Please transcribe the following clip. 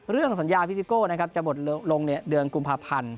เรื่องสัญญาพฏิกาศสิกต์จะหมดลงทุนเดือนคุมพาพันธ์